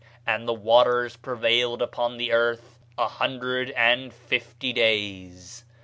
And the waters prevailed upon the earth a hundred and fifty days.